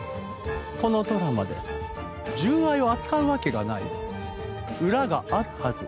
このドラマで純愛を扱うわけがない裏があるはず？